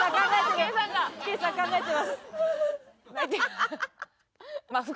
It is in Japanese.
ケイさん考えてます。